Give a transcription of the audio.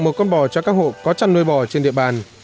một con bò cho các hộ có chăn nuôi bò trên địa bàn